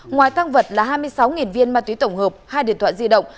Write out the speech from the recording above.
ngoài tăng vật là hai mươi sáu viên ma túy tổng hợp hai điện thoại di động